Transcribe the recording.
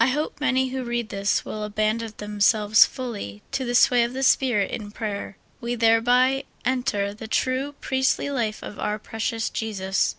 FOOD. hope many who read this will abandon themselves fully to the sway of the Spirit in prayer ; we thereby en ter the true priestly life of our precious Jesus.